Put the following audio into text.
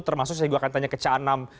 termasuk saya juga akan tanya ke caanam